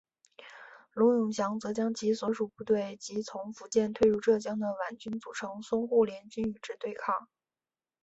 卢永祥则将其所属部队及从福建退入浙江的皖军组成淞沪联军与之对抗。